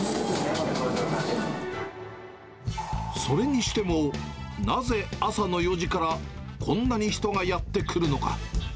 それにしてもなぜ朝の４時からこんなに人がやって来るのか。